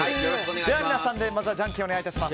では皆さんでじゃんけんをお願いします。